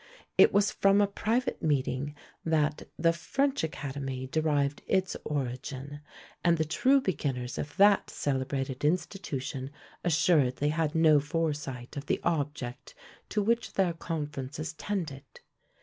It was from a private meeting that "The French Academy" derived its origin; and the true beginners of that celebrated institution assuredly had no foresight of the object to which their conferences tended.